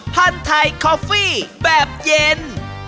พันธุ์ไทยคอฟฟี่แบบเย็น